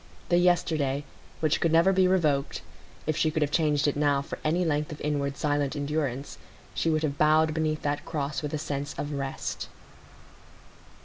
The yesterday, which could never be revoked,—if she could have changed it now for any length of inward silent endurance, she would have bowed beneath that cross with a sense of rest.